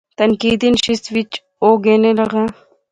تنقیدی نشست وچ او گینے لاغا